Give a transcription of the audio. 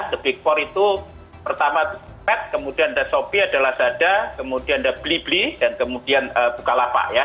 the big four itu pertama pet kemudian the shopee adalah zada kemudian the blibli dan kemudian bukalapak ya